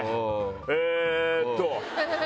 えーっと。